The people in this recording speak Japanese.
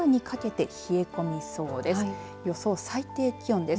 予想最低気温です。